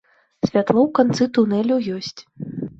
Святло ў канцы тунелю ёсць.